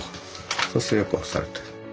そうするとよく干されて。